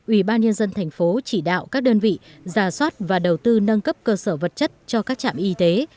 ủy ban nhân dân thành phố chỉ đạo các đơn vị giả soát và đầu tư nâng cấp cơ sở vật chất cho các trạm y tế